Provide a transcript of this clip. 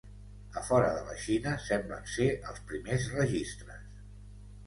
A fora de la Xina, semblen ser els primers registres.